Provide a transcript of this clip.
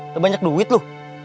lu banyak duit lu